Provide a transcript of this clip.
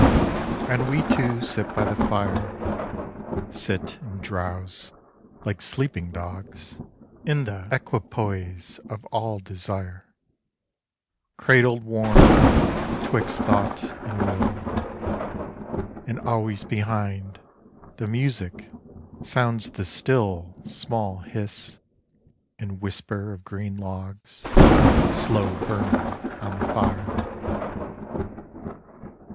And we two sit by the fire, Sit and drowse like sleeping dogs In the equipoise of all desire, Cradled warm 'twixt thought and will, And always behind the music sounds the still Small hiss and whisper of green logs Slow burning on the fire.